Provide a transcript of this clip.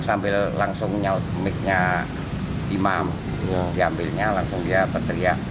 sambil langsung miknya imam diambilnya langsung dia berteriak